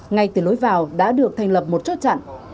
ngay từ lối vào đã được thành lập một chốt chặn